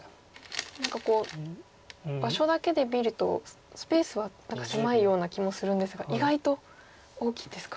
何か場所だけで見るとスペースは狭いような気もするんですが意外と大きいんですか。